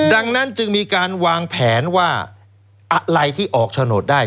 ดังนั้นจึงมีการวางแผนว่าอะไรที่ออกโฉนดได้